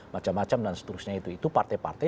macam macam dan seterusnya itu itu partai partai